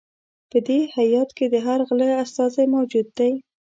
په دې هیات کې د هر غله استازی موجود دی.